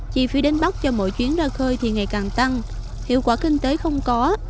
chi phí đến bắc cho mỗi chuyến ra khơi thì ngày càng tăng hiệu quả kinh tế không có